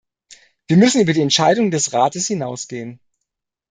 Wir müssen über die Entscheidungen des Rates hinausgehen.